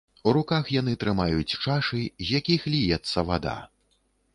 У руках яны трымаюць чашы, з якіх ліецца вада.